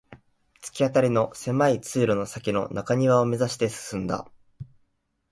突き当たりの狭い通路の先の中庭を目指して進んだ